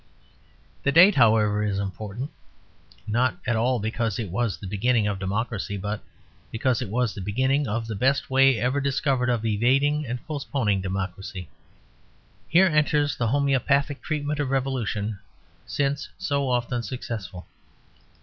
The date, however, is important, not at all because it was the beginning of democracy, but because it was the beginning of the best way ever discovered of evading and postponing democracy. Here enters the homoeopathic treatment of revolution, since so often successful.